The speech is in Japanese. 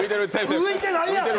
浮いてないやん！